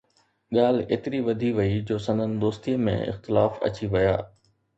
ڳالهه ايتري وڌي وئي جو سندن دوستيءَ ۾ اختلاف اچي ويا